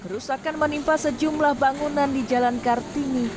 kerusakan menimpa sejumlah bangunan di jalan kartini